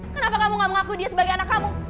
kenapa kamu gak mau ngakui dia sebagai anak kamu